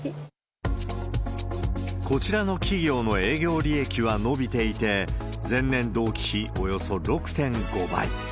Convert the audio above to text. こちらの企業の営業利益は伸びていて、前年同期比およそ６．５倍。